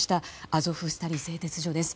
アゾフスタリ製鉄所です。